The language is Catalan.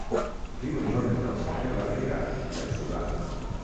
Viu en zones del Sahel africà i el Sudan.